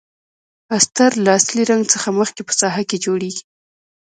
استر له اصلي رنګ څخه مخکې په ساحه کې جوړیږي.